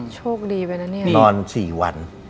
โชคดีไปนะเนี่ยนอน๔วัน